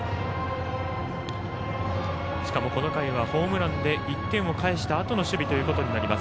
この回はホームランで１点を返したあとの守備となります